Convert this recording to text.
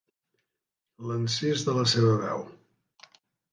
L'encís de la seva veu.